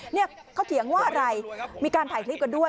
เนี่ยเขาเถียงว่าอะไรมีการถ่ายคลิปกันด้วย